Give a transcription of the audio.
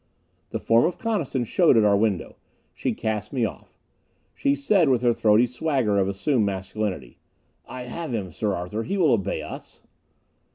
The form of Coniston showed at our window. She cast me off. She said, with her throaty swagger of assumed masculinity: "I have him, Sir Arthur. He will obey us."